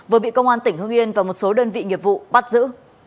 vừa bị công an tỉnh hưng yên và một số đơn vị nghiệp vụ bắt giữ